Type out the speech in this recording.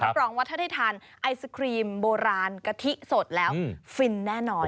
รองว่าถ้าได้ทานไอศครีมโบราณกะทิสดแล้วฟินแน่นอน